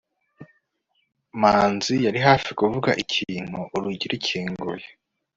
manzi yari hafi kuvuga ikintu urugi rukinguye